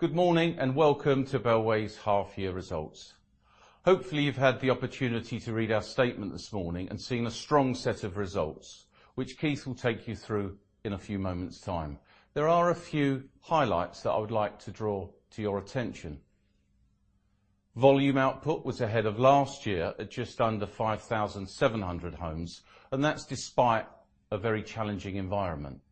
Good morning, and welcome to Bellway's half year results. Hopefully, you've had the opportunity to read our statement this morning and seen a strong set of results, which Keith will take you through in a few moments time. There are a few highlights that I would like to draw to your attention. Volume output was ahead of last year at just under 5,700 homes, and that's despite a very challenging environment.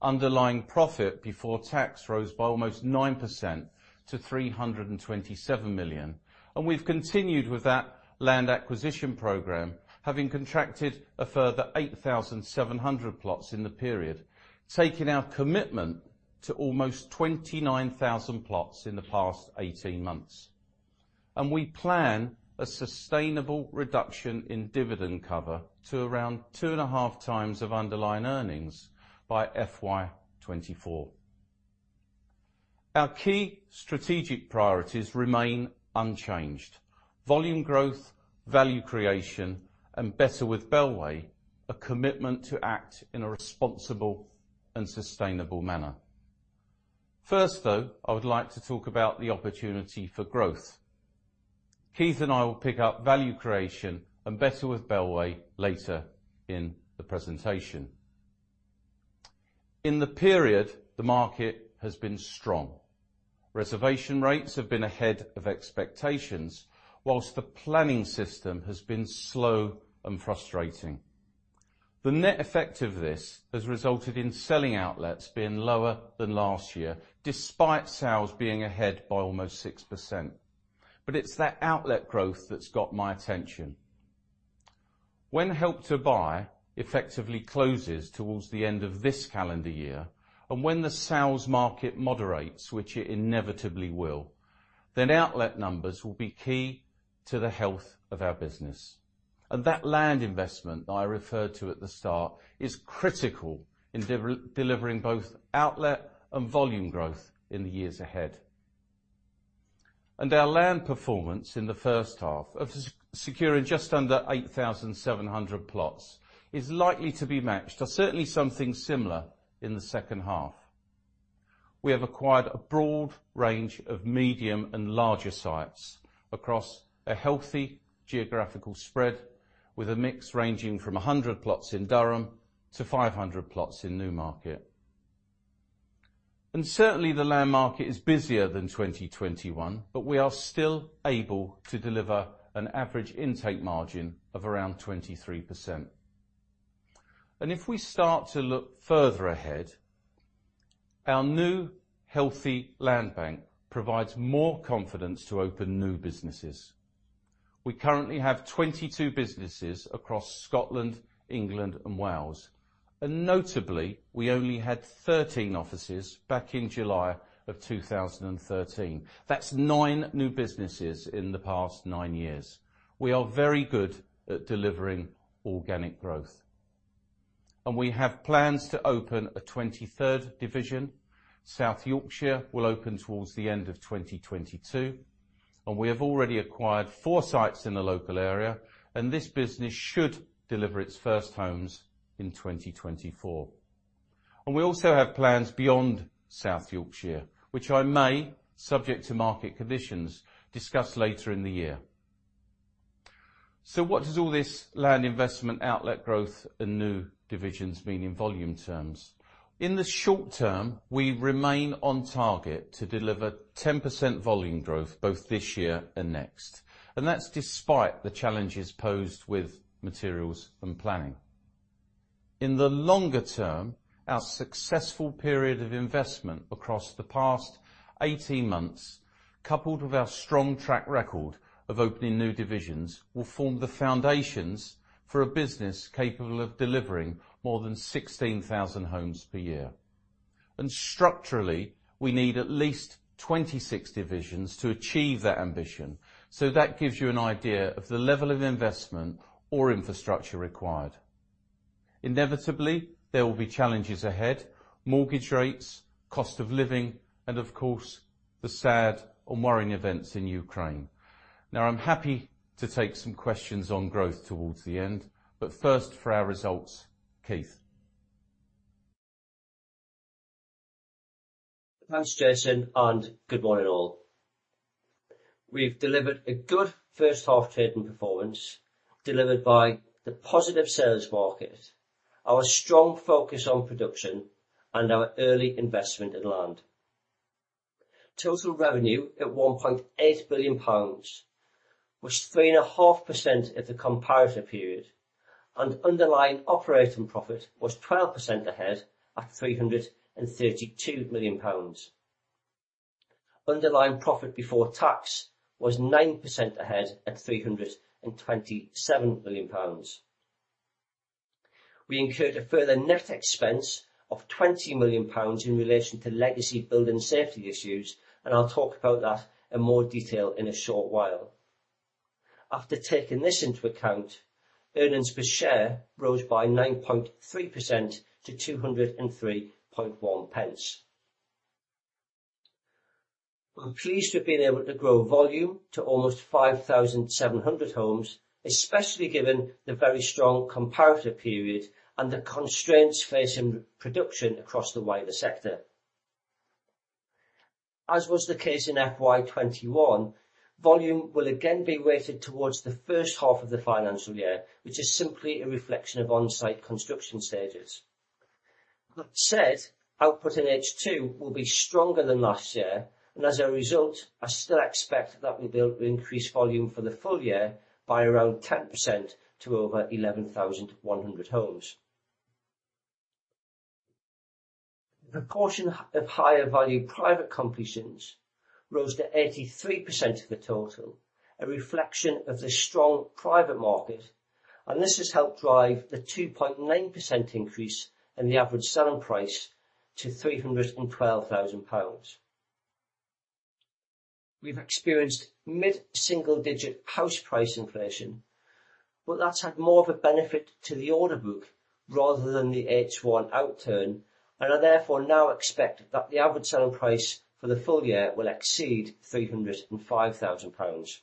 Underlying profit before tax rose by almost 9% to 327 million, and we've continued with that land acquisition program, having contracted a further 8,700 plots in the period, taking our commitment to almost 29,000 plots in the past eighteen months. We plan a sustainable reduction in dividend cover to around two and a half times of underlying earnings by FY 2024. Our key strategic priorities remain unchanged. Volume growth, value creation, and Better with Bellway, a commitment to act in a responsible and sustainable manner. First though, I would like to talk about the opportunity for growth. Keith and I will pick up value creation and Better with Bellway later in the presentation. In the period, the market has been strong. Reservation rates have been ahead of expectations, while the planning system has been slow and frustrating. The net effect of this has resulted in selling outlets being lower than last year, despite sales being ahead by almost 6%. It's that outlet growth that's got my attention. When Help to Buy effectively closes towards the end of this calendar year and when the sales market moderates, which it inevitably will, then outlet numbers will be key to the health of our business. That land investment that I referred to at the start is critical in delivering both outlet and volume growth in the years ahead. Our land performance in the first half securing just under 8,700 plots is likely to be matched or certainly something similar in the second half. We have acquired a broad range of medium and larger sites across a healthy geographical spread, with a mix ranging from 100 plots in Durham to 500 plots in Newmarket. Certainly, the land market is busier than 2021, but we are still able to deliver an average intake margin of around 23%. If we start to look further ahead, our new healthy land bank provides more confidence to open new businesses. We currently have 22 businesses across Scotland, England, and Wales, and notably, we only had 13 offices back in July of 2013. That's nine new businesses in the past nine years. We are very good at delivering organic growth. We have plans to open a 23rd division. South Yorkshire will open towards the end of 2022, and we have already acquired four sites in the local area, and this business should deliver its first homes in 2024. We also have plans beyond South Yorkshire, which I may, subject to market conditions, discuss later in the year. What does all this land investment, outlet growth, and new divisions mean in volume terms? In the short term, we remain on target to deliver 10% volume growth both this year and next, and that's despite the challenges posed with materials and planning. In the longer term, our successful period of investment across the past 18 months, coupled with our strong track record of opening new divisions, will form the foundations for a business capable of delivering more than 16,000 homes per year. Structurally, we need at least 26 divisions to achieve that ambition. That gives you an idea of the level of investment or infrastructure required. Inevitably, there will be challenges ahead, mortgage rates, cost of living, and of course, the sad and worrying events in Ukraine. Now, I'm happy to take some questions on growth towards the end, but first for our results, Keith. Thanks, Jason, and good morning all. We've delivered a good first half trading performance delivered by the positive sales market, our strong focus on production, and our early investment in land. Total revenue at 1.8 billion pounds was 3.5% ahead of the comparative period, and underlying operating profit was 12% ahead at 332 million pounds. Underlying profit before tax was 9% ahead at 327 million pounds. We incurred a further net expense of 20 million pounds in relation to legacy building safety issues, and I'll talk about that in more detail in a short while. After taking this into account, earnings per share rose by 9.3% to GBP 2.031. We're pleased with being able to grow volume to almost 5,700 homes, especially given the very strong comparator period and the constraints facing production across the wider sector. As was the case in FY 2021, volume will again be weighted towards the first half of the financial year, which is simply a reflection of on-site construction stages. That said, output in H2 will be stronger than last year and as a result, I still expect that we'll be able to increase volume for the full year by around 10% to over 11,100 homes. The proportion of higher value private completions rose to 83% of the total, a reflection of the strong private market, and this has helped drive the 2.9% increase in the average selling price to 312,000 pounds. We've experienced mid-single digit house price inflation, but that's had more of a benefit to the order book rather than the H1 outturn, and I therefore now expect that the average selling price for the full year will exceed 305,000 pounds.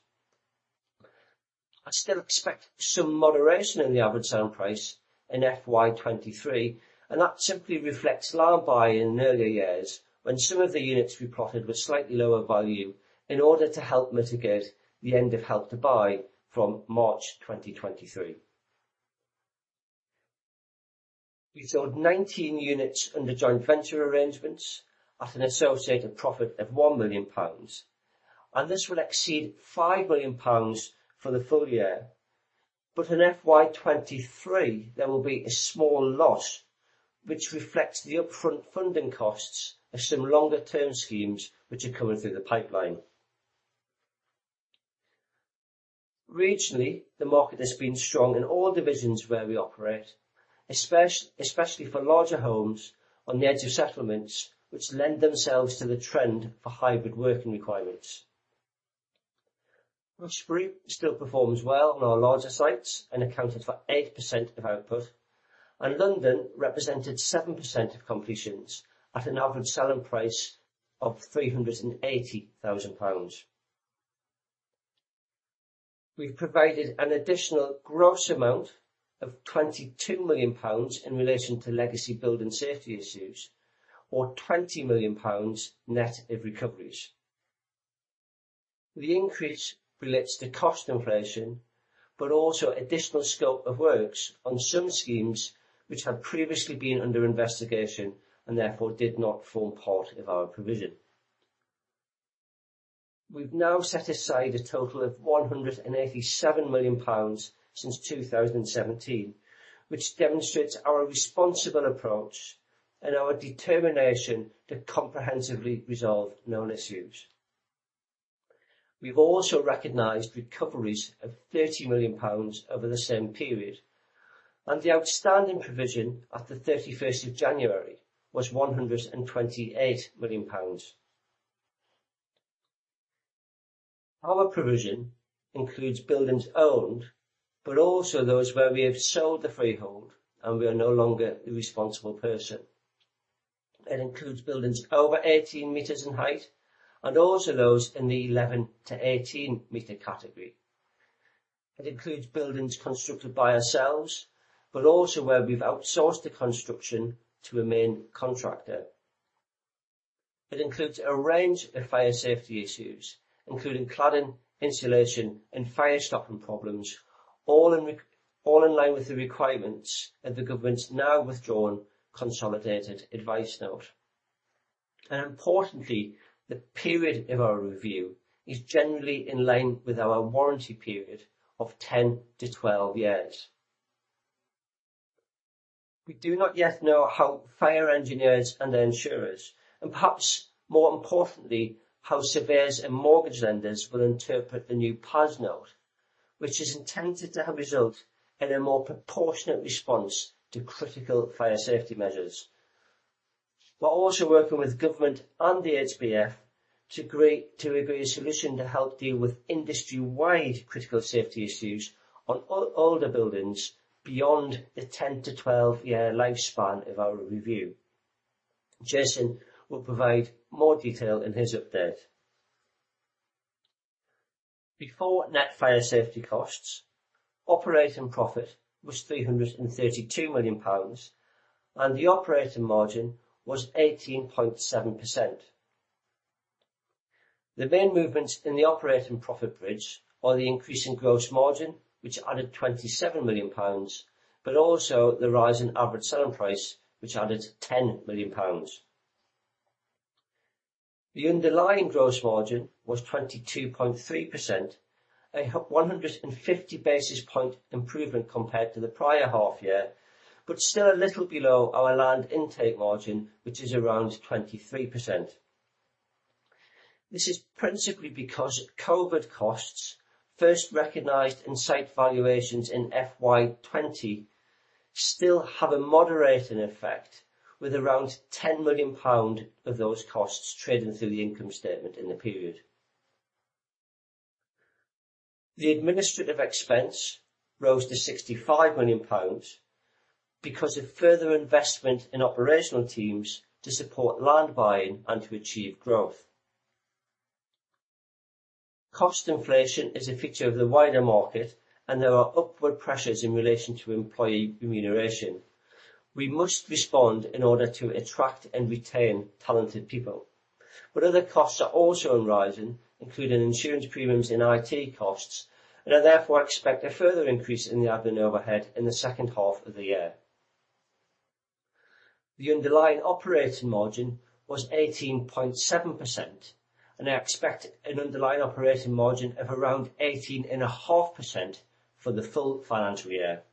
I still expect some moderation in the average selling price in FY 2023, and that simply reflects land buy in earlier years when some of the units we plotted were slightly lower value in order to help mitigate the end of Help to Buy from March 2023. We sold 19 units under joint venture arrangements at an associated profit of 1 million pounds, and this will exceed 5 million pounds for the full year. In FY 2023 there will be a small loss which reflects the upfront funding costs of some longer term schemes which are coming through the pipeline. Regionally, the market has been strong in all divisions where we operate, especially for larger homes on the edge of settlements which lend themselves to the trend for hybrid working requirements. House free still performs well on our larger sites and accounted for 8% of output, and London represented 7% of completions at an average selling price of 380,000 pounds. We've provided an additional gross amount of 22 million pounds in relation to legacy building safety issues or 20 million pounds net of recoveries. The increase relates to cost inflation, but also additional scope of works on some schemes which had previously been under investigation and therefore did not form part of our provision. We've now set aside a total of 187 million pounds since 2017, which demonstrates our responsible approach and our determination to comprehensively resolve known issues. We've also recognized recoveries of 30 million pounds over the same period, and the outstanding provision at the 31st of January was GBP 128 million. Our provision includes buildings owned, but also those where we have sold the freehold and we are no longer the responsible person. It includes buildings over 18 m in height and also those in the 11- to 18-m category. It includes buildings constructed by ourselves, but also where we've outsourced the construction to a main contractor. It includes a range of fire safety issues, including cladding, insulation and fire stopping problems, all in line with the requirements of the government's now withdrawn Consolidated Advice Note. Importantly, the period of our review is generally in line with our warranty period of 10-12 years. We do not yet know how fire engineers and their insurers, and perhaps more importantly, how surveyors and mortgage lenders will interpret the new PAS note, which is intended to help result in a more proportionate response to critical fire safety measures. We're also working with government and the HBF to agree a solution to help deal with industry-wide critical safety issues on older buildings beyond the 10-12 year lifespan of our review. Jason will provide more detail in his update. Before net fire safety costs, operating profit was 332 million pounds and the operating margin was 18.7%. The main movements in the operating profit bridge are the increase in gross margin, which added 27 million pounds, but also the rise in average selling price, which added 10 million pounds. The underlying gross margin was 22.3%, a 150 basis point improvement compared to the prior half year, but still a little below our land intake margin, which is around 23%. This is principally because Covid costs first recognized in site valuations in FY 2020 still have a moderating effect with around 10 million pound of those costs trading through the income statement in the period. The administrative expense rose to 65 million pounds because of further investment in operational teams to support land buying and to achieve growth. Cost inflation is a feature of the wider market, and there are upward pressures in relation to employee remuneration. We must respond in order to attract and retain talented people. Other costs are also on the rise, including insurance premiums and IT costs, and I therefore expect a further increase in the admin overhead in the second half of the year. The underlying operating margin was 18.7%, and I expect an underlying operating margin of around 18.5% for the full financial year.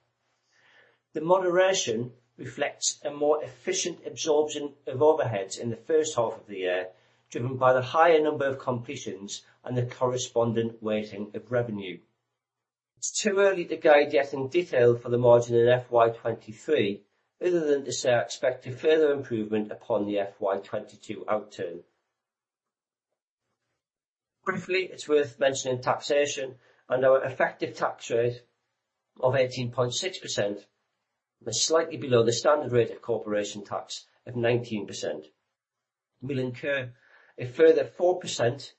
The moderation reflects a more efficient absorption of overheads in the first half of the year, driven by the higher number of completions and the corresponding weighting of revenue. It's too early to guide yet in detail for the margin in FY 2023, other than to say I expect a further improvement upon the FY 2022 outturn. Briefly, it's worth mentioning taxation and our effective tax rate of 18.6% was slightly below the standard rate of corporation tax of 19%. We'll incur a further 4%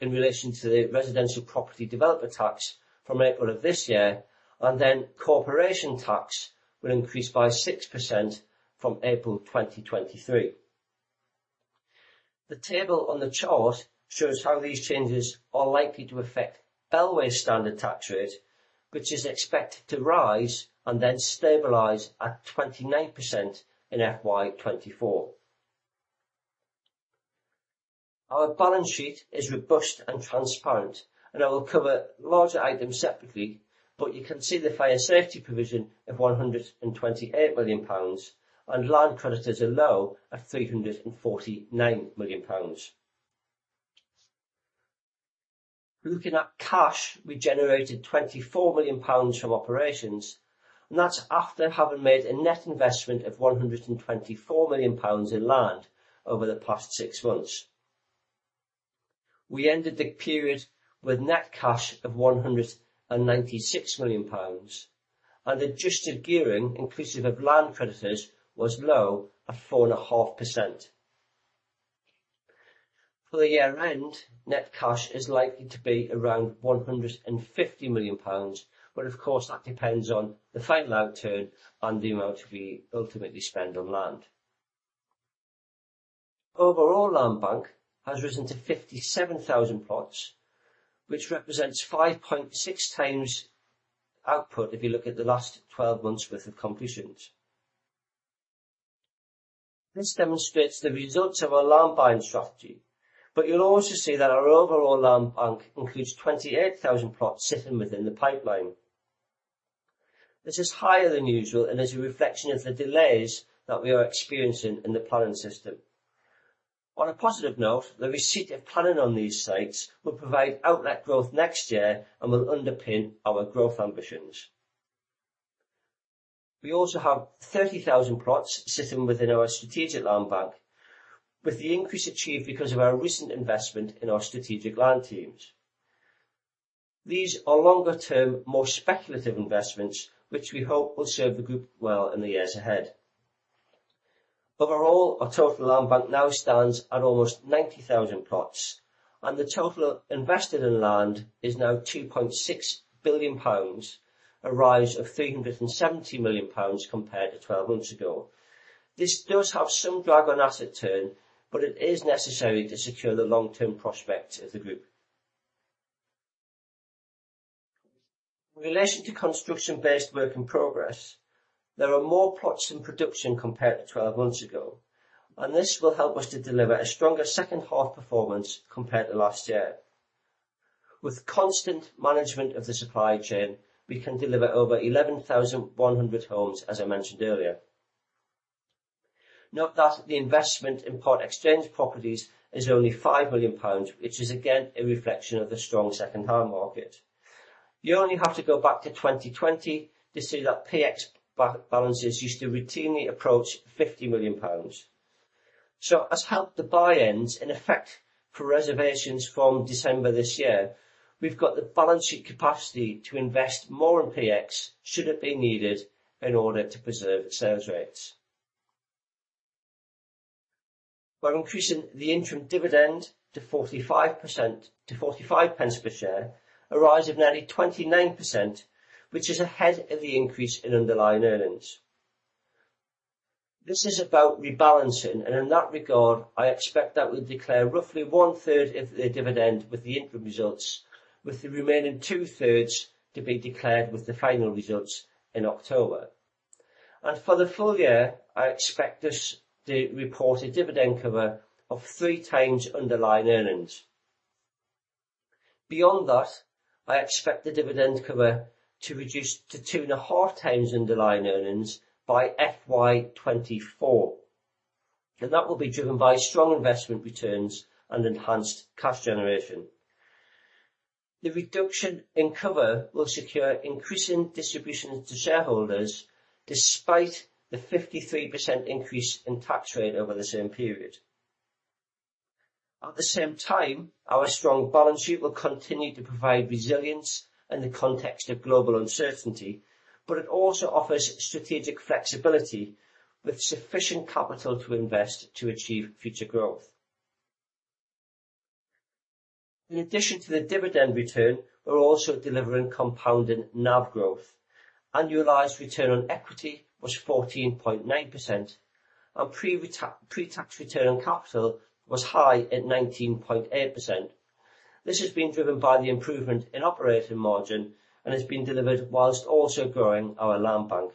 in relation to the residential property developer tax from April of this year, and then corporation tax will increase by 6% from April 2023. The table on the chart shows how these changes are likely to affect Bellway's standard tax rate, which is expected to rise and then stabilize at 29% in FY 2024. Our balance sheet is robust and transparent, and I will cover larger items separately, but you can see the fire safety provision of 128 million pounds and land creditors are low at 349 million pounds. Looking at cash, we generated 24 million pounds from operations, and that's after having made a net investment of 124 million pounds in land over the past six months. We ended the period with net cash of 196 million pounds, and adjusted gearing inclusive of land creditors was low at 4.5%. For the year-end, net cash is likely to be around 150 million pounds, but of course, that depends on the final outturn and the amount we ultimately spend on land. Overall, land bank has risen to 57,000 plots, which represents 5.6 times output if you look at the last 12 months worth of completions. This demonstrates the results of our land buying strategy, but you'll also see that our overall land bank includes 28,000 plots sitting within the pipeline. This is higher than usual and is a reflection of the delays that we are experiencing in the planning system. On a positive note, the receipt of planning on these sites will provide outlet growth next year and will underpin our growth ambitions. We also have 30,000 plots sitting within our strategic land bank, with the increase achieved because of our recent investment in our strategic land teams. These are longer-term, more speculative investments, which we hope will serve the group well in the years ahead. Overall, our total land bank now stands at almost 90,000 plots, and the total invested in land is now 2.6 billion pounds, a rise of 370 million pounds compared to 12 months ago. This does have some drag on asset turn, but it is necessary to secure the long-term prospects of the group. In relation to construction-based work in progress, there are more plots in production compared to 12 months ago, and this will help us to deliver a stronger second half performance compared to last year. With constant management of the supply chain, we can deliver over 11,100 homes, as I mentioned earlier. Note that the investment in part exchange properties is only 5 million pounds, which is again a reflection of the strong second-hand market. You only have to go back to 2020 to see that PX balances used to routinely approach 50 million pounds. As Help to Buy ends in effect for reservations from December this year, we've got the balance sheet capacity to invest more in PX should it be needed in order to preserve sales rates. We're increasing the interim dividend to 45% to 45 pence per share, a rise of nearly 29%, which is ahead of the increase in underlying earnings. This is about rebalancing, and in that regard, I expect that we'll declare roughly 1/3 of the dividend with the interim results, with the remaining two-thirds to be declared with the final results in October. For the full year, I expect us to report a dividend cover of three times underlying earnings. Beyond that, I expect the dividend cover to reduce to two and a half times underlying earnings by FY 2024. Now, that will be driven by strong investment returns and enhanced cash generation. The reduction in cover will secure increasing distributions to shareholders despite the 53% increase in tax rate over the same period. At the same time, our strong balance sheet will continue to provide resilience in the context of global uncertainty, but it also offers strategic flexibility with sufficient capital to invest to achieve future growth. In addition to the dividend return, we're also delivering compounded NAV growth. Annualized return on equity was 14.9%, and pre-tax return on capital was high at 19.8%. This has been driven by the improvement in operating margin and has been delivered whilst also growing our land bank.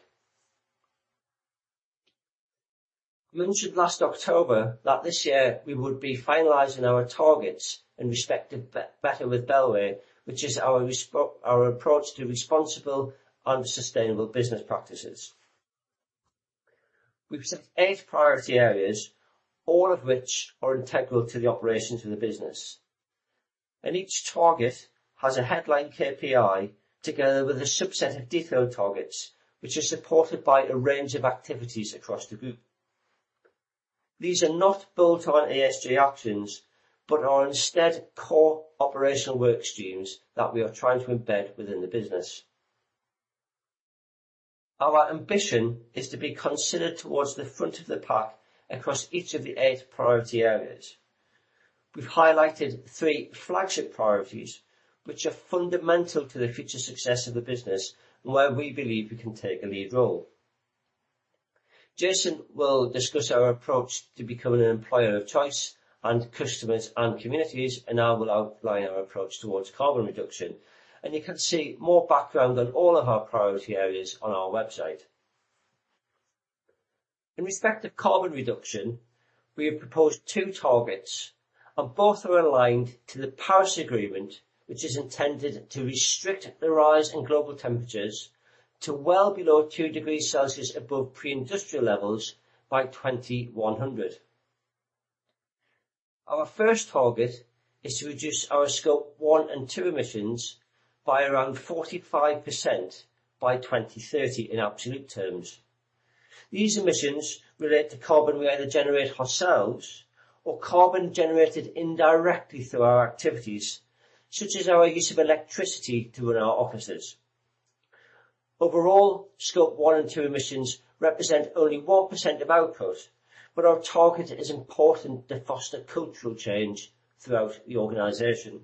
We mentioned last October that this year we would be finalizing our targets in respect to Better with Bellway, which is our approach to responsible and sustainable business practices. We've set eight priority areas, all of which are integral to the operations of the business. Each target has a headline KPI, together with a subset of detailed targets, which are supported by a range of activities across the group. These are not bolt-on ESG actions, but are instead core operational work streams that we are trying to embed within the business. Our ambition is to be considered towards the front of the pack across each of the eight priority areas. We've highlighted three flagship priorities, which are fundamental to the future success of the business and where we believe we can take a lead role. Jason will discuss our approach to becoming an employer of choice and customers and communities, and I will outline our approach towards carbon reduction. You can see more background on all of our priority areas on our website. In respect to carbon reduction, we have proposed two targets, and both are aligned to the Paris Agreement, which is intended to restrict the rise in global temperatures to well below two degrees Celsius above pre-industrial levels by 2100. Our first target is to reduce our Scope 1 and 2 emissions by around 45% by 2030 in absolute terms. These emissions relate to carbon we either generate ourselves or carbon generated indirectly through our activities, such as our use of electricity in our offices. Overall, Scope 1 and 2 emissions represent only 1% of output, but our target is important to foster cultural change throughout the organization.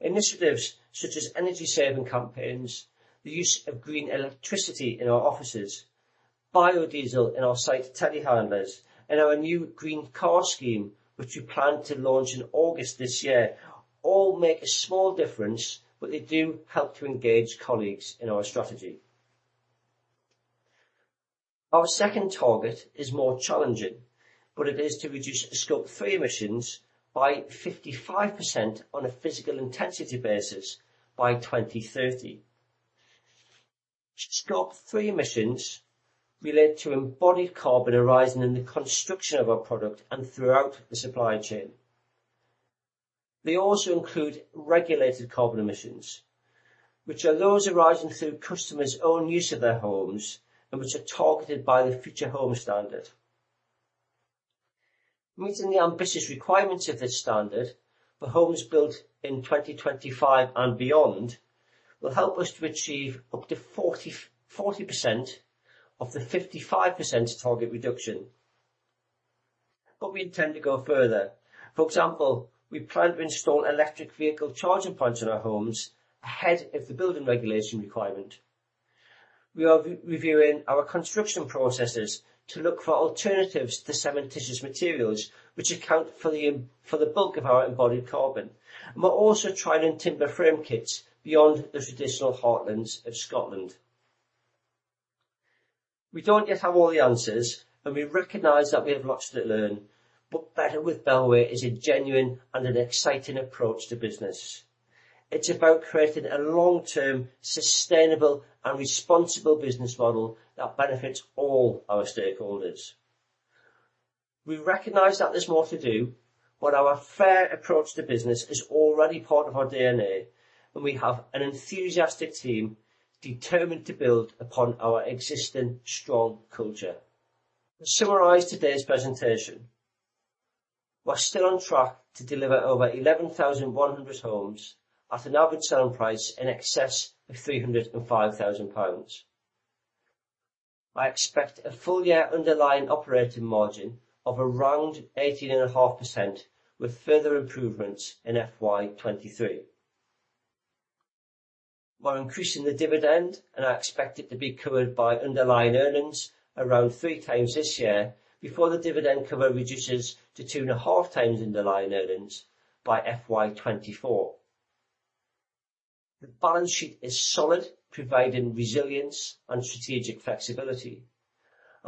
Initiatives such as energy-saving campaigns, the use of green electricity in our offices, biodiesel in our site telehandlers, and our new green car scheme, which we plan to launch in August this year, all make a small difference, but they do help to engage colleagues in our strategy. Our second target is more challenging, but it is to reduce Scope 3 emissions by 55% on a physical intensity basis by 2030. Scope 3 emissions relate to embodied carbon arising in the construction of our product and throughout the supply chain. They also include regulated carbon emissions, which are those arising through customers' own use of their homes and which are targeted by the Future Homes Standard. Meeting the ambitious requirements of this standard for homes built in 2025 and beyond will help us to achieve up to 40% of the 55% target reduction. We intend to go further. For example, we plan to install electric vehicle charging points in our homes ahead of the building regulation requirement. We are reviewing our construction processes to look for alternatives to cementitious materials which account for the bulk of our embodied carbon. We're also trialing timber frame kits beyond the traditional heartlands of Scotland. We don't yet have all the answers, and we recognize that we have lots to learn, but Better with Bellway is a genuine and an exciting approach to business. It's about creating a long-term sustainable and responsible business model that benefits all our stakeholders. We recognize that there's more to do, but our fair approach to business is already part of our DNA, and we have an enthusiastic team determined to build upon our existing strong culture. To summarize today's presentation, we're still on track to deliver over 11,100 homes at an average selling price in excess of 305,000 pounds. I expect a full-year underlying operating margin of around 18.5% with further improvements in FY 2023. We're increasing the dividend, and I expect it to be covered by underlying earnings around 3x this year before the dividend cover reduces to 2.5x underlying earnings by FY 2024. The balance sheet is solid, providing resilience and strategic flexibility.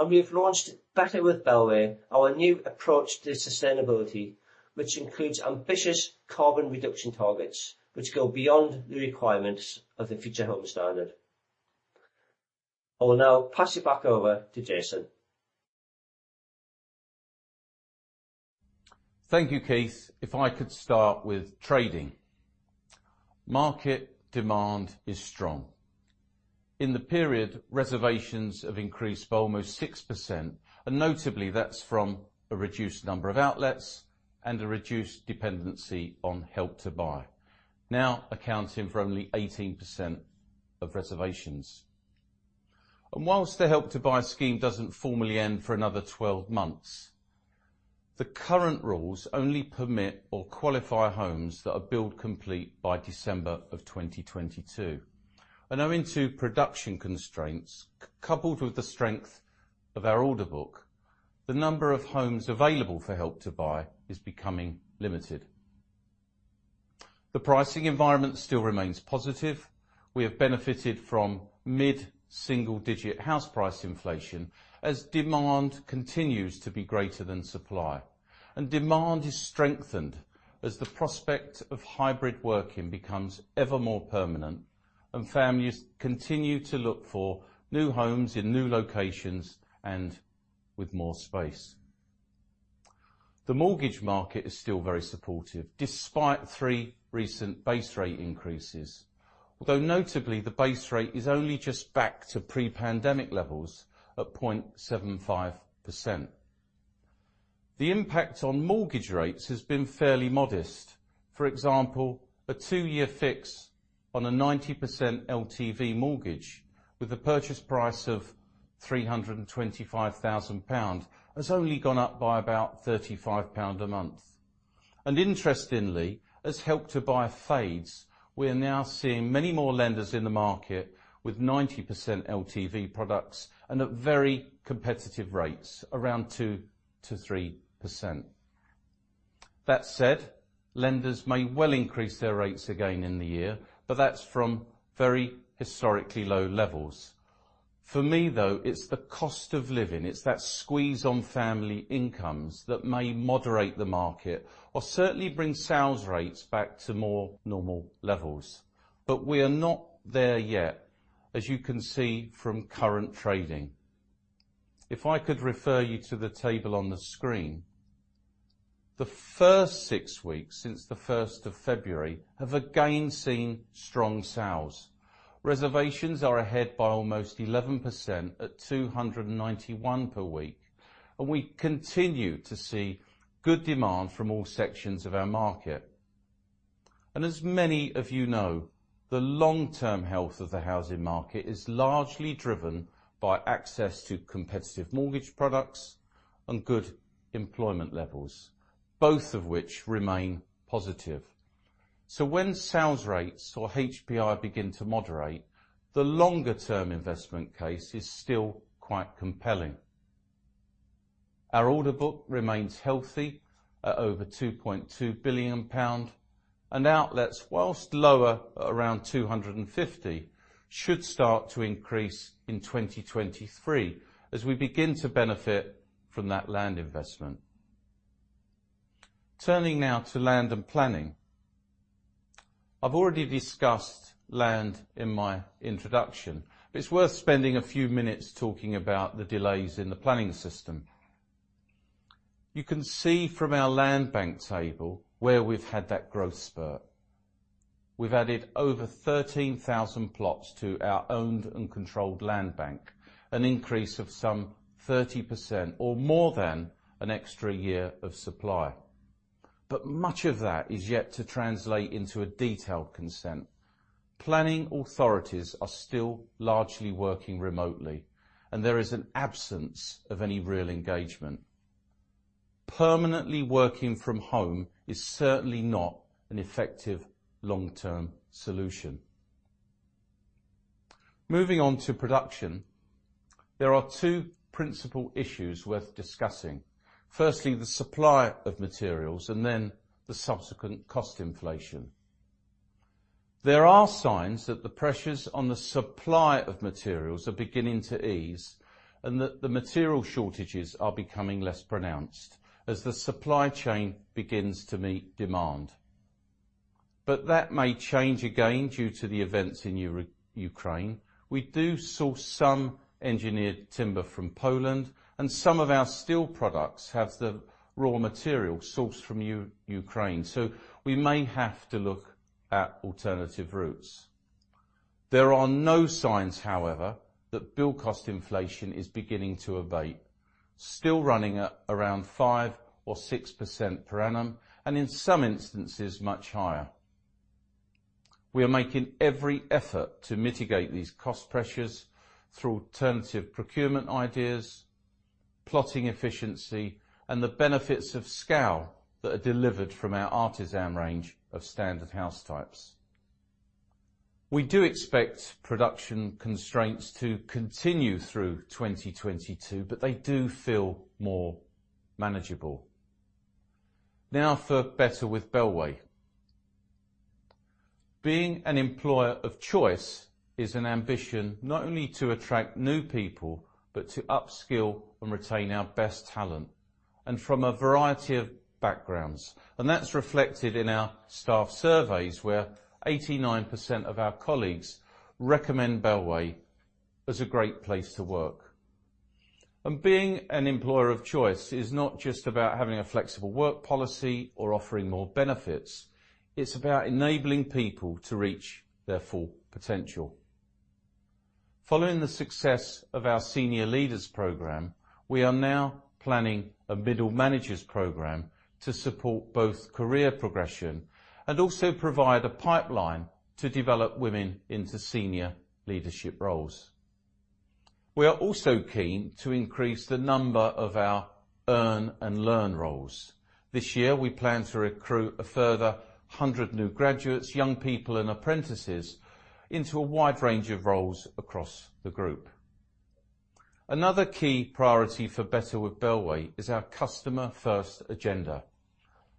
We have launched Better with Bellway, our new approach to sustainability, which includes ambitious carbon reduction targets which go beyond the requirements of the Future Homes Standard. I will now pass it back over to Jason. Thank you, Keith. If I could start with trading. Market demand is strong. In the period, reservations have increased by almost 6% and notably that's from a reduced number of outlets and a reduced dependency on Help to Buy, now accounting for only 18% of reservations. Whilst the Help to Buy scheme doesn't formally end for another 12 months, the current rules only permit or qualify homes that are built complete by December of 2022. Owing to production constraints coupled with the strength of our order book, the number of homes available for Help to Buy is becoming limited. The pricing environment still remains positive. We have benefited from mid-single digit house price inflation as demand continues to be greater than supply. Demand is strengthened as the prospect of hybrid working becomes ever more permanent and families continue to look for new homes in new locations and with more space. The mortgage market is still very supportive despite three recent base rate increases, although notably the base rate is only just back to pre-pandemic levels at 0.75%. The impact on mortgage rates has been fairly modest. For example, a two-year fix on a 90% LTV mortgage with a purchase price of 325,000 pound has only gone up by about 35 pound a month. Interestingly, as Help to Buy fades, we are now seeing many more lenders in the market with 90% LTV products and at very competitive rates, around 2%-3%. That said, lenders may well increase their rates again in the year, but that's from very historically low levels. For me though, it's the cost of living, it's that squeeze on family incomes that may moderate the market or certainly bring sales rates back to more normal levels. But we are not there yet, as you can see from current trading. If I could refer you to the table on the screen, the first six weeks since the first of February have again seen strong sales. Reservations are ahead by almost 11% at 291 per week, and we continue to see good demand from all sections of our market. As many of you know, the long-term health of the housing market is largely driven by access to competitive mortgage products and good employment levels, both of which remain positive. When sales rates or HPI begin to moderate, the longer term investment case is still quite compelling. Our order book remains healthy at over 2.2 billion pound. Outlets, while lower at around 250, should start to increase in 2023 as we begin to benefit from that land investment. Turning now to land and planning. I've already discussed land in my introduction, but it's worth spending a few minutes talking about the delays in the planning system. You can see from our land bank table where we've had that growth spurt. We've added over 13,000 plots to our owned and controlled land bank, an increase of some 30% or more than an extra year of supply. Much of that is yet to translate into a detailed consent. Planning authorities are still largely working remotely, and there is an absence of any real engagement. Permanently working from home is certainly not an effective long-term solution. Moving on to production, there are two principal issues worth discussing. Firstly, the supply of materials and then the subsequent cost inflation. There are signs that the pressures on the supply of materials are beginning to ease and that the material shortages are becoming less pronounced as the supply chain begins to meet demand. That may change again due to the events in Ukraine. We do source some engineered timber from Poland and some of our steel products have the raw materials sourced from Ukraine, so we may have to look at alternative routes. There are no signs, however, that build cost inflation is beginning to abate, still running at around 5% or 6% per annum, and in some instances much higher. We are making every effort to mitigate these cost pressures through alternative procurement ideas, plot efficiency, and the benefits of scale that are delivered from our Artisan range of standard house types. We do expect production constraints to continue through 2022, but they do feel more manageable. Now for Better with Bellway. Being an employer of choice is an ambition not only to attract new people, but to upskill and retain our best talent, and from a variety of backgrounds. That's reflected in our staff surveys, where 89% of our colleagues recommend Bellway as a great place to work. Being an employer of choice is not just about having a flexible work policy or offering more benefits. It's about enabling people to reach their full potential. Following the success of our senior leaders program, we are now planning a middle managers program to support both career progression and also provide a pipeline to develop women into senior leadership roles. We are also keen to increase the number of our earn and learn roles. This year we plan to recruit a further 100 new graduates, young people and apprentices into a wide range of roles across the group. Another key priority for Better with Bellway is our Customer First agenda.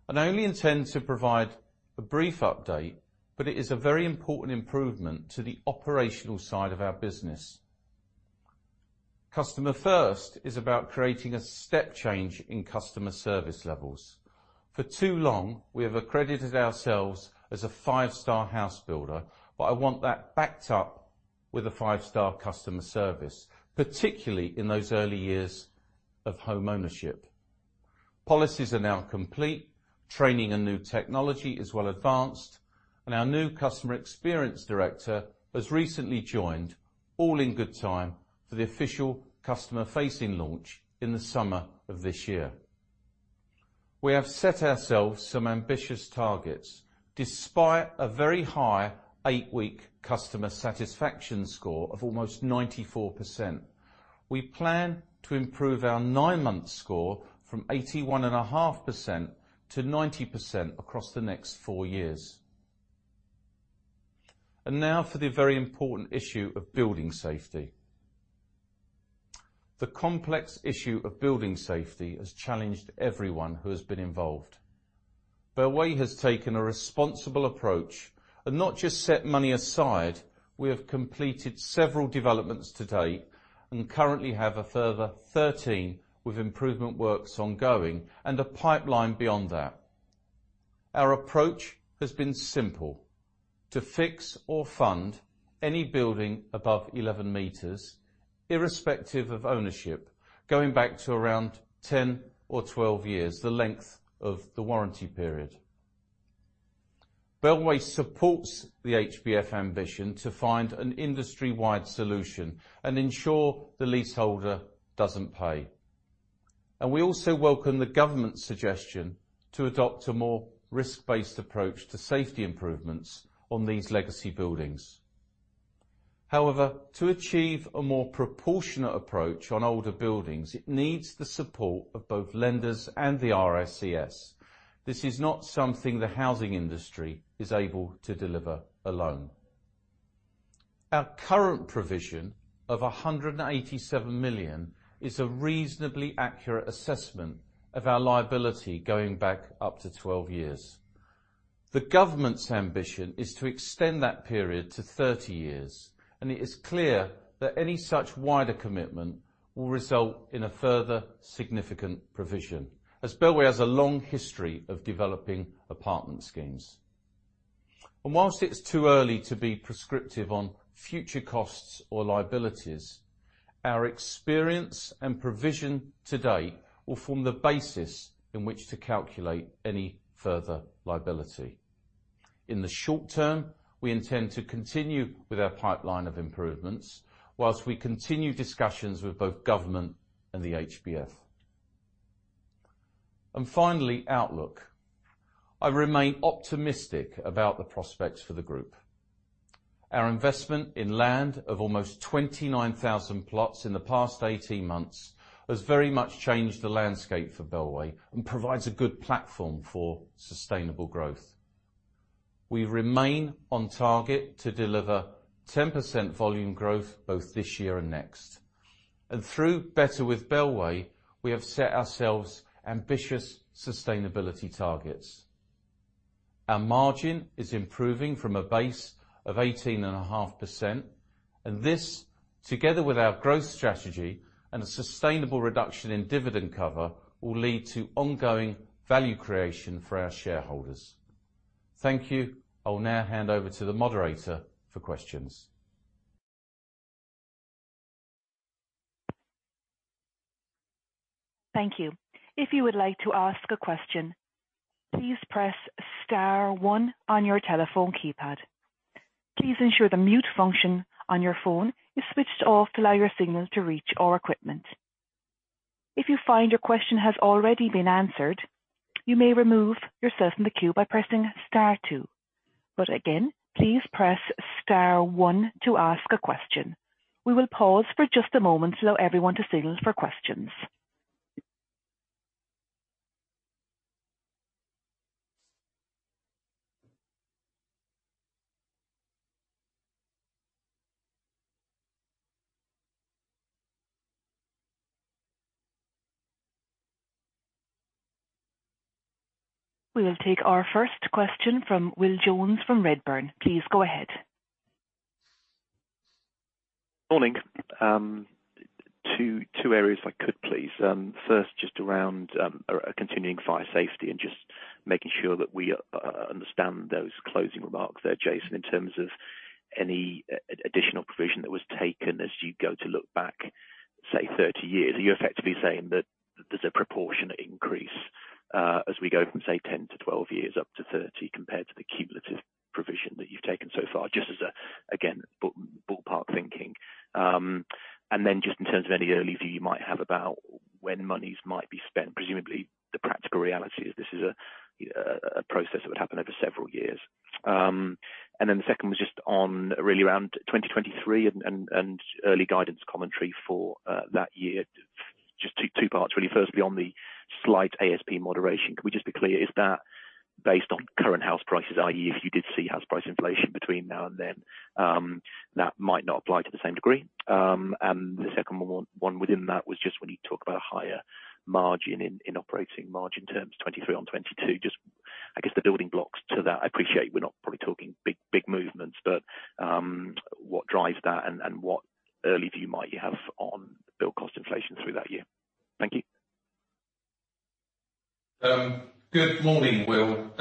I only intend to provide a brief update, but it is a very important improvement to the operational side of our business. Customer First is about creating a step change in customer service levels. For too long, we have accredited ourselves as a five-star house builder, but I want that backed up with a five-star customer service, particularly in those early years of home ownership. Policies are now complete, training and new technology is well advanced, and our new Customer Experience Director has recently joined, all in good time for the official customer facing launch in the summer of this year. We have set ourselves some ambitious targets. Despite a very high eight-week customer satisfaction score of almost 94%, we plan to improve our nine-month score from 81.5% to 90% across the next four years. Now for the very important issue of building safety. The complex issue of building safety has challenged everyone who has been involved. Bellway has taken a responsible approach and not just set money aside. We have completed several developments to date and currently have a further 13 with improvement works ongoing and a pipeline beyond that. Our approach has been simple, to fix or fund any building above 11 m irrespective of ownership, going back to around 10 or 12 years, the length of the warranty period. Bellway supports the HBF ambition to find an industry-wide solution and ensure the leaseholder doesn't pay. We also welcome the government suggestion to adopt a more risk-based approach to safety improvements on these legacy buildings. However, to achieve a more proportionate approach on older buildings, it needs the support of both lenders and the RICS. This is not something the housing industry is able to deliver alone. Our current provision of 187 million is a reasonably accurate assessment of our liability going back up to 12 years. The government's ambition is to extend that period to 30 years, and it is clear that any such wider commitment will result in a further significant provision as Bellway has a long history of developing apartment schemes. While it's too early to be prescriptive on future costs or liabilities, our experience and provision to date will form the basis in which to calculate any further liability. In the short term, we intend to continue with our pipeline of improvements while we continue discussions with both government and the HBF. Finally, outlook. I remain optimistic about the prospects for the group. Our investment in land of almost 29,000 plots in the past 18 months has very much changed the landscape for Bellway and provides a good platform for sustainable growth. We remain on target to deliver 10% volume growth both this year and next. Through Better with Bellway, we have set ourselves ambitious sustainability targets. Our margin is improving from a base of 18.5%, and this, together with our growth strategy and a sustainable reduction in dividend cover, will lead to ongoing value creation for our shareholders. Thank you. I'll now hand over to the moderator for questions. Thank you. If you would like to ask a question, please press star one on your telephone keypad. Please ensure the mute function on your phone is switched off to allow your signal to reach our equipment. If you find your question has already been answered, you may remove yourself from the queue by pressing star two. Again, please press star one to ask a question. We will pause for just a moment to allow everyone to signal for questions. We will take our first question from Will Jones from Redburn. Please go ahead. Morning. Two areas if I could please. First just around continuing fire safety and just making sure that we understand those closing remarks there, Jason, in terms of any additional provision that was taken as you go to look back, say 30 years. Are you effectively saying that there's a proportionate increase as we go from, say 10 to 12 years up to 30 compared to the cumulative provision that you've taken so far? Just as a, again, ballpark thinking. Just in terms of any early view you might have about when monies might be spent. Presumably, the practical reality is this is a process that would happen over several years. The second was just on really around 2023 and early guidance commentary for that year. Just two parts really. First, beyond the slight ASP moderation, could we just be clear, is that based on current house prices, i.e. if you did see house price inflation between now and then, that might not apply to the same degree? The second one within that was just when you talk about a higher margin in operating margin terms, 2023 on 2022. Just I guess the building blocks to that. I appreciate we're not probably talking big movements, but, what drives that and what early view might you have on build cost inflation through that year? Thank you. Good morning, Will.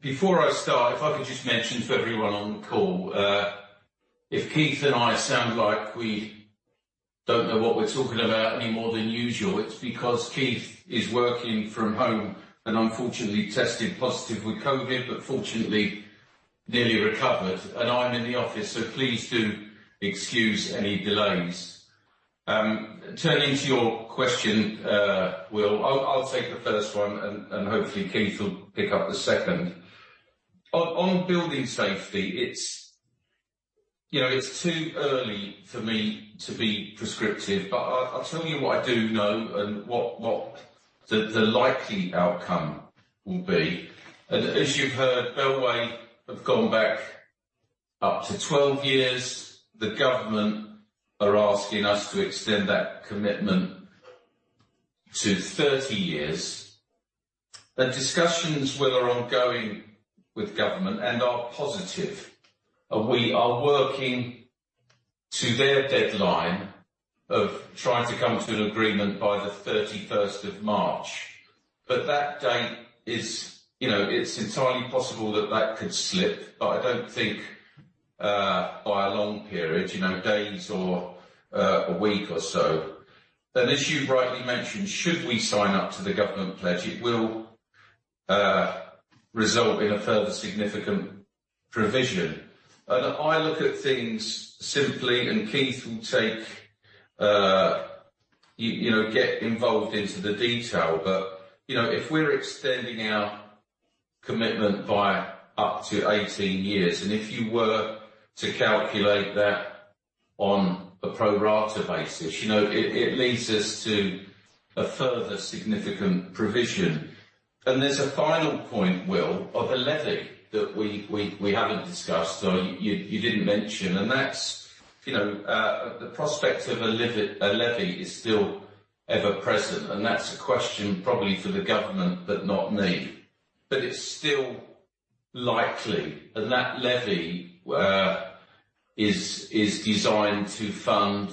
Before I start, if I could just mention to everyone on the call, if Keith and I sound like we don't know what we're talking about any more than usual, it's because Keith is working from home, and unfortunately tested positive with COVID, but fortunately nearly recovered. I'm in the office, so please do excuse any delays. Turning to your question, Will, I'll take the first one and hopefully Keith will pick up the second. On building safety, you know, it's too early for me to be prescriptive, but I'll tell you what I do know and what the likely outcome will be. As you've heard, Bellway have gone back up to 12 years. The government are asking us to extend that commitment to 30 years. The discussions, Will, are ongoing with government and are positive, and we are working to their deadline of trying to come to an agreement by the 31st of March. That date is, you know, it's entirely possible that that could slip, but I don't think by a long period, you know, days or a week or so. As you rightly mentioned, should we sign up to the government pledge, it will result in a further significant provision. I look at things simply, and Keith will take you know get involved into the detail. If we're extending our commitment by up to 18 years, and if you were to calculate that on a pro rata basis, you know, it leads us to a further significant provision. There's a final point, Will, of a levy that we haven't discussed or you didn't mention, and that's, you know, the prospect of a levy is still ever present, and that's a question probably for the government, but not me. But it's still likely. And that levy is designed to fund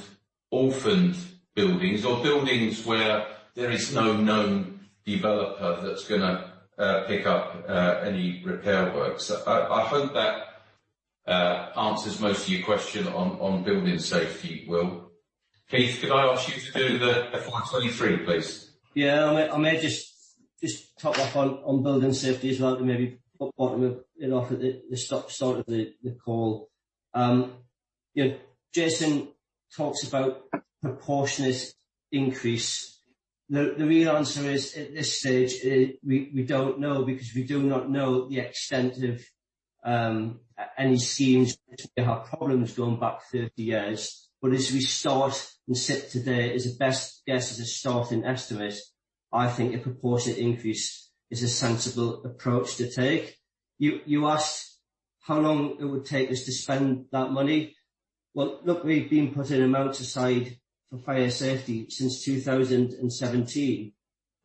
orphaned buildings or buildings where there is no known developer that's gonna pick up any repair works. I hope that answers most of your question on building safety, Will. Keith, could I ask you to do the FY 2023, please? Yeah. I may just top up on building safety as well to maybe round it off at the start of the call. You know, Jason talks about proportionate increase. The real answer is, at this stage, we don't know because we do not know the extent of any schemes which we have problems going back 30 years. As we sit today, as a best guess, as a starting estimate, I think a proportionate increase is a sensible approach to take. You asked how long it would take us to spend that money. Well, look, we've been putting amounts aside for fire safety since 2017,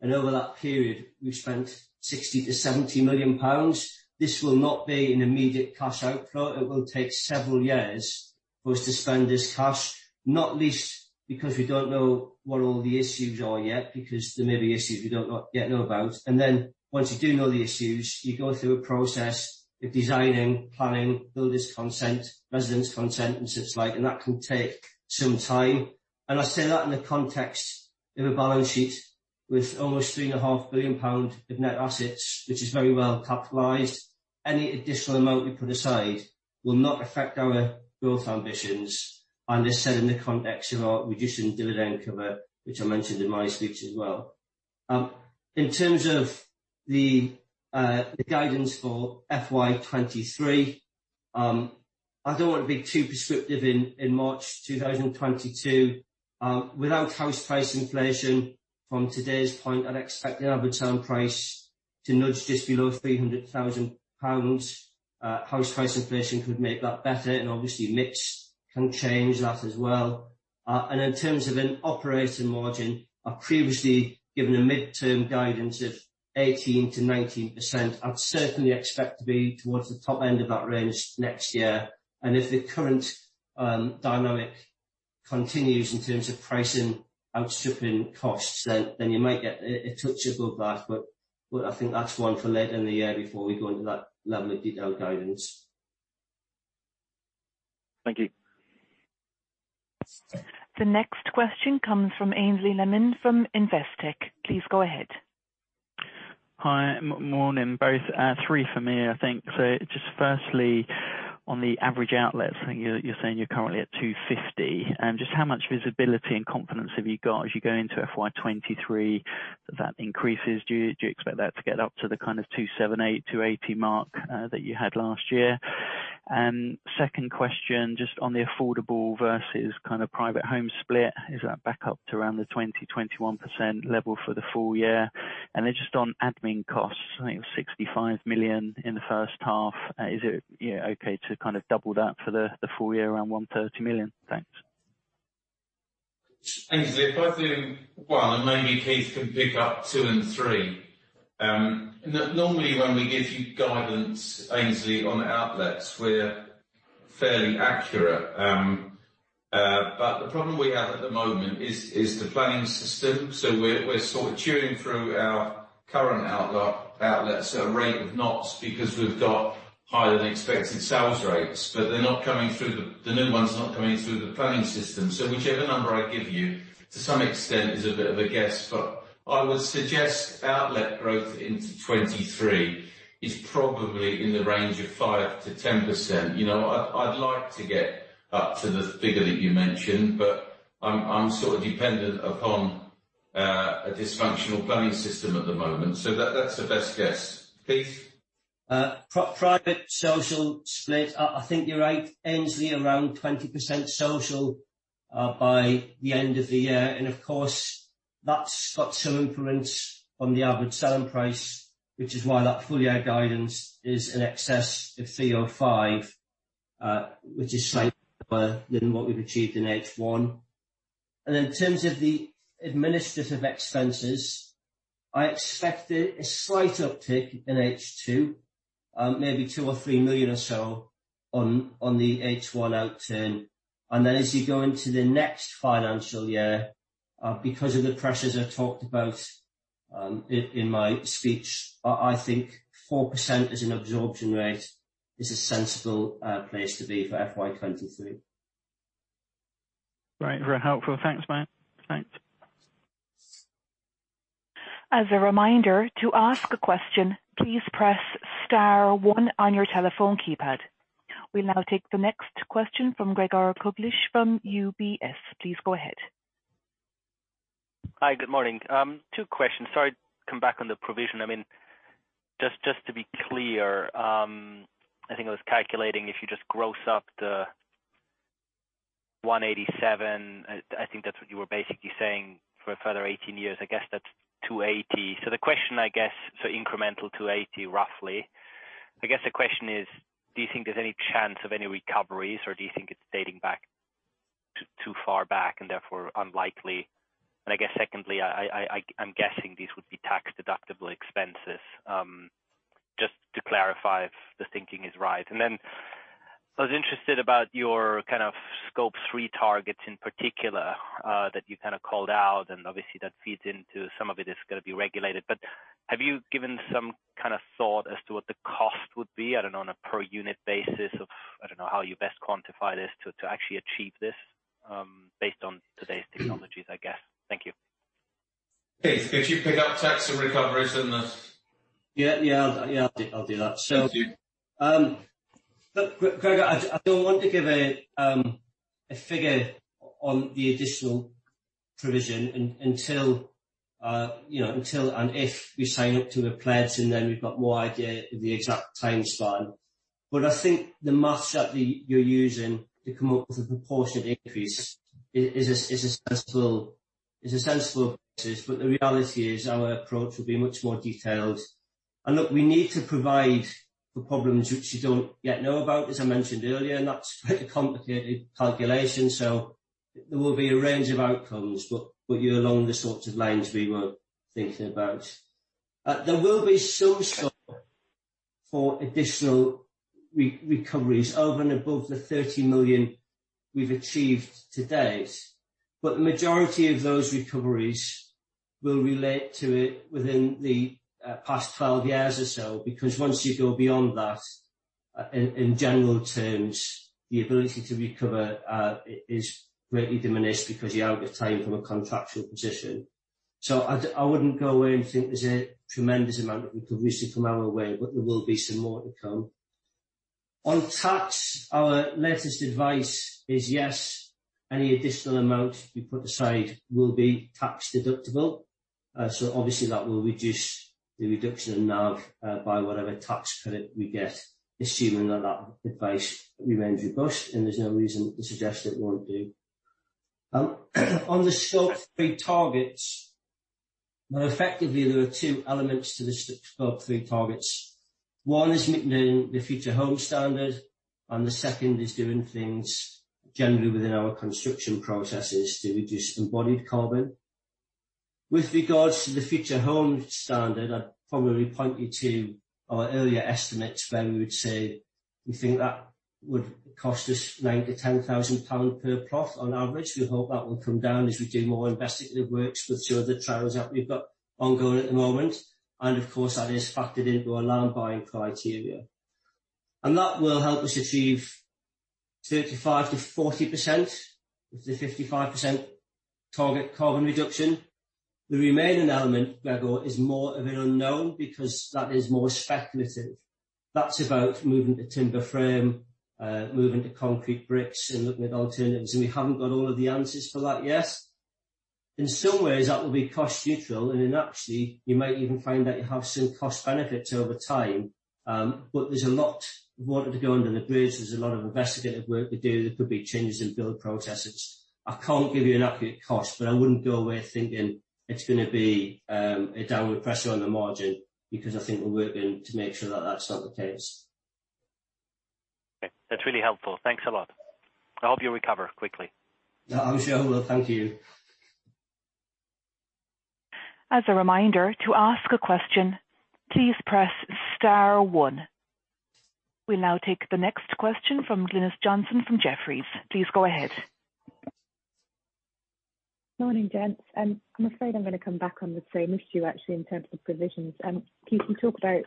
and over that period, we've spent 60 million-70 million pounds. This will not be an immediate cash outflow. It will take several years for us to spend this cash, not least because we don't know what all the issues are yet, because there may be issues we do not yet know about. Once you do know the issues, you go through a process of designing, planning, builders consent, residents consent, and such like, and that can take some time. I say that in the context of a balance sheet with almost 3.5 billion pound of net assets, which is very well capitalized. Any additional amount we put aside will not affect our growth ambitions, and it's set in the context of our reducing dividend cover, which I mentioned in my speech as well. In terms of the guidance for FY 2023, I don't wanna be too prescriptive in March 2022. Without house price inflation from today's point, I'd expect the average home price to nudge just below 300,000 pounds. House price inflation could make that better, and obviously mix can change that as well. In terms of an operating margin, I've previously given a midterm guidance of 18%-19%. I'd certainly expect to be towards the top end of that range next year. If the current dynamic Continues in terms of pricing outstripping costs, then you might get a touch above that, but I think that's one for later in the year before we go into that level of detailed guidance. Thank you. The next question comes from Aynsley Lammin from Investec. Please go ahead. Hi. Morning, both. Three for me, I think. Just firstly, on the average outlets, I think you're saying you're currently at 250. Just how much visibility and confidence have you got as you go into FY 2023 that that increases? Do you expect that to get up to the kind of 278, 280 mark that you had last year? And second question, just on the affordable versus kind of private home split. Is that back up to around the 20-21% level for the full year? And then just on admin costs, I think it was 65 million in the first half. Is it, yeah, okay to kind of double that for the full year around 130 million? Thanks. Aynsley, if I do one, and maybe Keith can pick up two and three. Normally when we give you guidance, Aynsley, on outlets, we're fairly accurate. The problem we have at the moment is the planning system. We're sort of chewing through our current outlets at a rate of knots because we've got higher than expected sales rates, but the new ones are not coming through the planning system. Whichever number I give you, to some extent, is a bit of a guess. I would suggest outlet growth into 2023 is probably in the range of 5%-10%. You know, I'd like to get up to the figure that you mentioned, but I'm sort of dependent upon a dysfunctional planning system at the moment. That's the best guess. Keith. Private social split, I think you're right, Aynsley, around 20% social by the end of the year. Of course, that's got some influence on the average selling price, which is why that full year guidance is in excess of 305, which is slightly lower than what we've achieved in H1. In terms of the administrative expenses, I expect a slight uptick in H2, maybe 2 million or 3 million or so on the H1 outturn. Then as you go into the next financial year, because of the pressures I've talked about, in my speech, I think 4% as an absorption rate is a sensible place to be for FY 2023. Great. Very helpful. Thanks, mate. Thanks. As a reminder, to ask a question, please press star one on your telephone keypad. We'll now take the next question from Gregor Kuglitsch from UBS. Please go ahead. Hi. Good morning. Two questions. Sorry to come back on the provision. I mean, just to be clear, I think I was calculating if you just gross up the 187, I think that's what you were basically saying for a further 18 years, I guess that's 280. The question, I guess, incremental 280, roughly. The question is, do you think there's any chance of any recoveries, or do you think it's dating back too far back and therefore unlikely? Secondly, I'm guessing these would be tax-deductible expenses, just to clarify if the thinking is right. Then I was interested about your kind of Scope 3 targets in particular, that you kinda called out, and obviously that feeds into some of it is gonna be regulated. Have you given some kind of thought as to what the cost would be, I don't know, on a per unit basis of, I don't know, how you best quantify this to actually achieve this, based on today's technologies, I guess? Thank you. Keith, could you pick up tax and recoveries in this? Yeah, I'll do that. Thank you. Look, Gregor, I don't want to give a figure on the additional provision until, you know, until and if we sign up to a pledge and then we've got more idea of the exact timeline. I think the math that you're using to come up with a proportionate increase is a sensible approach, but the reality is our approach will be much more detailed. Look, we need to provide for problems which you don't yet know about, as I mentioned earlier, and that's a pretty complicated calculation. There will be a range of outcomes, but you're along the sorts of lines we were thinking about. There will be some scope for additional recoveries over and above the 30 million we've achieved to date, but the majority of those recoveries will relate to it within the past 12 years or so, because once you go beyond that, in general terms, the ability to recover is greatly diminished because you're out of time from a contractual position. I wouldn't go away and think there's a tremendous amount of recovery still come our way, but there will be some more to come. On tax, our latest advice is yes, any additional amount you put aside will be tax deductible. Obviously that will reduce the reduction of NAV by whatever tax credit we get, assuming that that advice remains robust, and there's no reason to suggest it won't do. On the Scope 3 targets, well, effectively, there are two elements to the Scope 3 targets. One is meeting the Future Homes Standard, and the second is doing things generally within our construction processes to reduce embodied carbon. With regards to the Future Homes Standard, I'd probably point you to our earlier estimates where we would say we think that would cost us 9,000-10,000 pounds per plot on average. We hope that will come down as we do more investigative works with some of the trials that we've got ongoing at the moment. Of course, that is factored into our land buying criteria. That will help us achieve 35%-40% of the 55% target carbon reduction. The remaining element, Gregor, is more of an unknown because that is more speculative. That's about moving to timber frame, moving to concrete bricks and looking at alternatives, and we haven't got all of the answers for that yet. In some ways, that will be cost neutral, and then actually you might even find that you have some cost benefits over time. There's a lot of water to go under the bridge. There's a lot of investigative work to do. There could be changes in build processes. I can't give you an accurate cost, but I wouldn't go away thinking it's gonna be a downward pressure on the margin because I think we're working to make sure that that's not the case. Okay. That's really helpful. Thanks a lot. I hope you recover quickly. I'm sure I will. Thank you. As a reminder, to ask a question, please press star one. We'll now take the next question from Glynis Johnson from Jefferies. Please go ahead. Morning, gents. I'm afraid I'm gonna come back on the same issue actually in terms of provisions. Keith, you talked about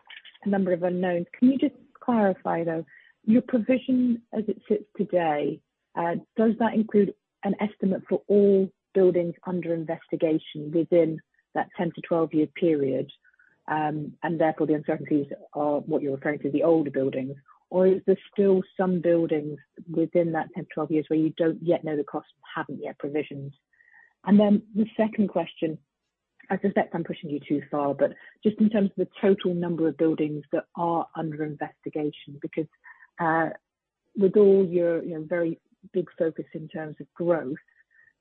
a number of unknowns. Can you just clarify, though, your provision as it sits today, does that include an estimate for all buildings under investigation within that 10-12 year period? Therefore, the uncertainties are what you're referring to, the older buildings. Or is there still some buildings within that 10-12 years where you don't yet know the costs and haven't yet provisioned? The second question, I suspect I'm pushing you too far, but just in terms of the total number of buildings that are under investigation, because with all your very big focus in terms of growth,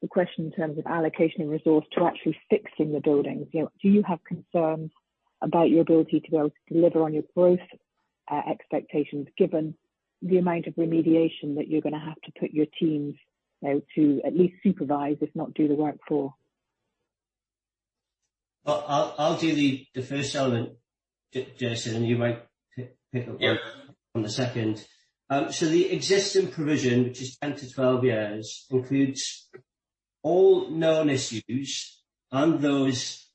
the question in terms of allocation of resource to actually fixing the buildings. You know, do you have concerns about your ability to be able to deliver on your growth expectations, given the amount of remediation that you're gonna have to put your teams, you know, to at least supervise, if not do the work for? Well, I'll do the first element, Glynis, and you might pick up- Yeah. On the second. The existing provision, which is 10-12 years, includes all known issues and those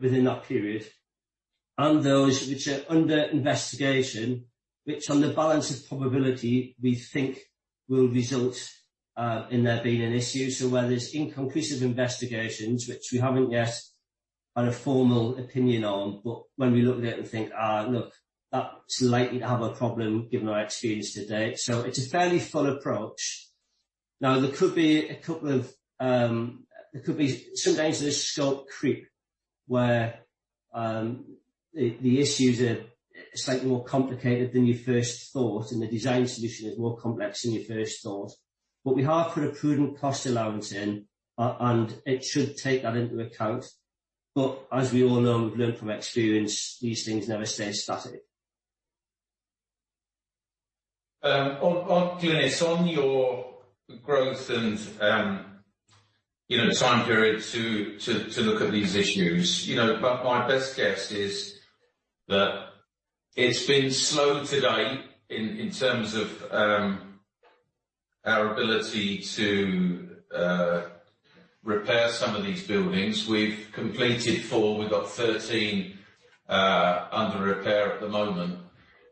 within that period, and those which are under investigation, which on the balance of probability we think will result in there being an issue. Where there's inconclusive investigations which we haven't yet had a formal opinion on, but when we look at it and think, "Look, that's likely to have a problem given our experience to date." It's a fairly full approach. Now, sometimes there's scope creep where the issues are slightly more complicated than you first thought, and the design solution is more complex than you first thought. We have put a prudent cost allowance in and it should take that into account. As we all know, we've learned from experience, these things never stay static. Glynis, on your growth and, you know, time period to look at these issues, you know, but my best guess is that it's been slow to date in terms of our ability to repair some of these buildings. We've completed four. We've got 13 under repair at the moment.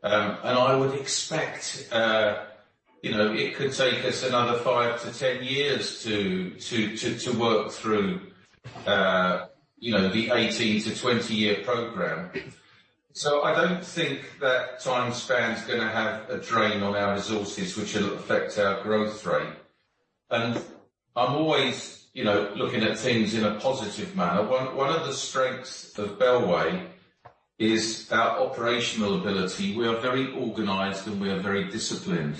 I would expect, you know, it could take us another 5-10 years to work through, you know, the 18-20-year program. So I don't think that time span's gonna have a drain on our resources which will affect our growth rate. I'm always, you know, looking at things in a positive manner. One of the strengths of Bellway is our operational ability. We are very organized, and we are very disciplined.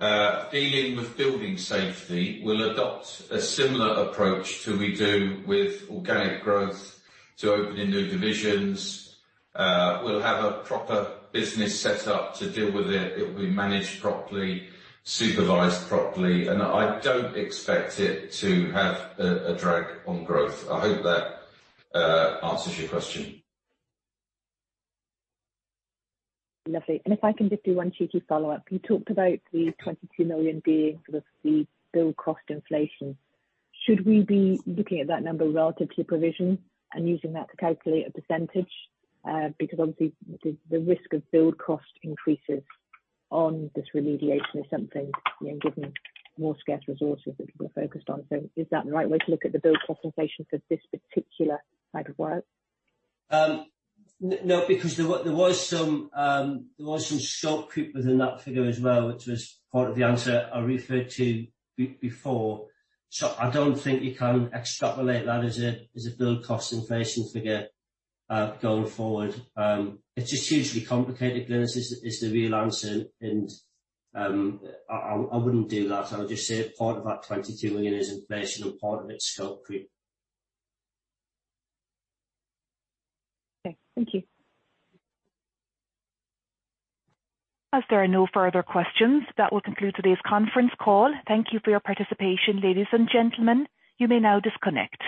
Dealing with building safety, we'll adopt a similar approach as we do with organic growth and opening new divisions. We'll have a proper business set up to deal with it. It will be managed properly, supervised properly. I don't expect it to have a drag on growth. I hope that answers your question. Lovely. If I can just do one cheeky follow-up. You talked about the 22 million being sort of the build cost inflation. Should we be looking at that number relative to your provision and using that to calculate a percentage? Because obviously the risk of build cost increases on this remediation is something, you know, given more scarce resources that people are focused on. Is that the right way to look at the build cost inflation for this particular type of work? No, because there was some scope creep within that figure as well, which was part of the answer I referred to before. I don't think you can extrapolate that as a build cost inflation figure going forward. It's just hugely complicated, Glynis, is the real answer and I wouldn't do that. I would just say part of that 22 million is inflation and part of it's scope creep. Okay. Thank you. As there are no further questions, that will conclude today's conference call. Thank you for your participation, ladies and gentlemen. You may now disconnect.